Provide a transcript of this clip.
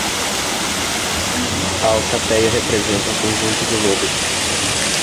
A alcateia representa um conjunto de lobos